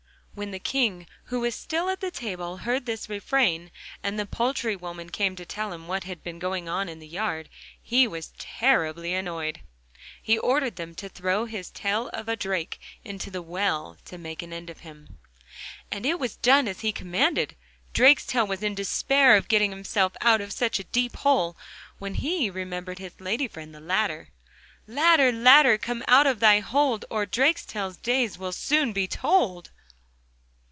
When the King who was still at table heard this refrain, and the poultry woman came to tell him what had been going on in the yard, he was terribly annoyed. He ordered them to throw this tail of a drake into the well, to make an end of him. And it was done as he commanded. Drakestail was in despair of getting himself out of such a deep hole, when he remembered his lady friend, the Ladder. 'Ladder, Ladder, come out of thy hold, Or Drakestail's days will soon be told.